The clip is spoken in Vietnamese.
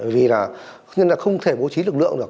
vì là không thể bố trí lực lượng được